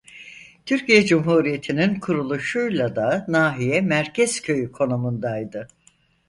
Türkiye Cumhuriyeti'nin kuruluşuyla da nahiye merkez köyü konumundaydı.